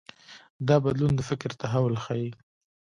دا بدلون د فکر تحول ښيي.